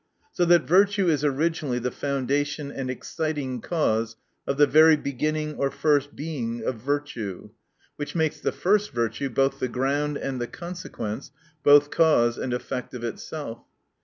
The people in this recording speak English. So that virtue is originally the foundation and exciting cause of the very beginning or first Being of virtue. Which makes the first virtue, both the ground, and the consequence, both cause and effect of itself.